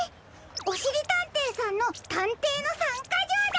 おしりたんていさんのたんていの３かじょうだ！